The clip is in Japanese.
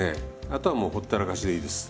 あとはもうほったらかしでいいです。